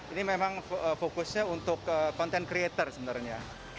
ini memang fokusnya untuk content creator sebenarnya